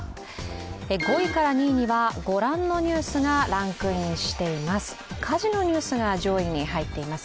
５位から２位にはご覧のニュースがランクインしています。